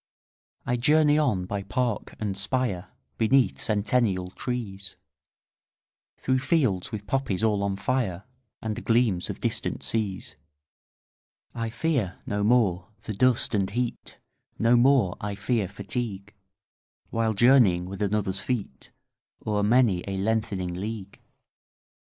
20 I journey on by park and spire, Beneath centennial trees, Through fields with poppies all on fire, And gleams of distant seas. I fear no more the dust and heat, 25 No more I fear fatigue, While journeying with another's feet O'er many a lengthening league.